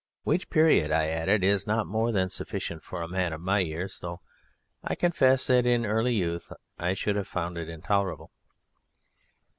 "Which period," I added, "is not more than sufficient for a man of my years, though I confess that in early youth I should have found it intolerable."